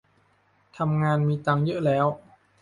ทำงานมีตังค์เยอะแล้ว